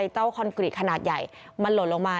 คอนกรีตขนาดใหญ่มันหล่นลงมา